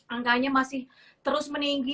angkanya masih terus meninggi